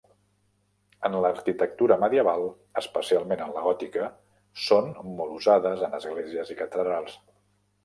En l'arquitectura medieval, especialment en la gòtica, són molt usades en esglésies i catedrals.